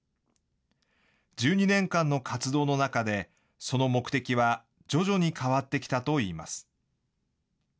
１２年間の活動の中で、その目的は徐々に変わってきたといいます。